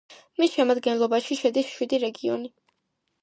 მის შემადგენლობაში შედის შვიდი რეგიონი.